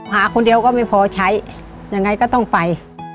หาคนเดียวก็ไม่พอใช้ยังไงก็ต้องไป